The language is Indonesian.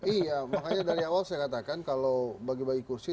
iya makanya dari awal saya katakan kalau bagi bagi kursi